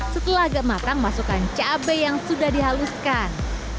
setelah agak matang masukkan cabai yang sudah dihaluskan